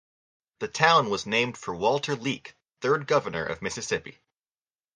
The town was named for Walter Leake, third governor of Mississippi.